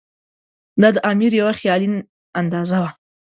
دا د امیر یوه خیالي اندازه وه.